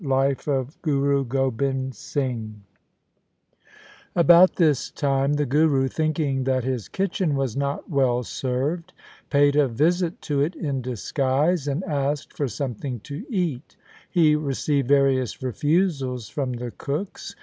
LIFE OF GURU GOBIND SINGH 105 Chapter XIII About this time the Guru, thinking that his kitchen was not well served, paid a visit to it in disguise, and asked for something to eat. He received various refusals from the cooks.